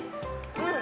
うん。